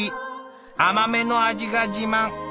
甘めの味が自慢。